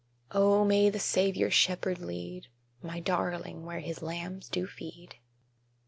Oh, may the Saviour Shepherd lead My darling where His lambs do feed!